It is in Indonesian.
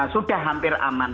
sudah hampir aman